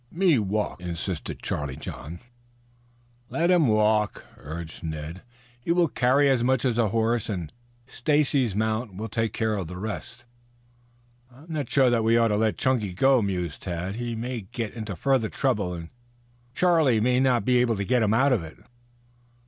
"Me walk," insisted Charlie John. "Let him walk," urged Ned. "He will carry as much as a horse, and Stacy's mount will take care of the rest." "I am not sure that we ought to let Chunky go," mused Tad. "He may get into further trouble, and Charlie might not be able to get him out of it."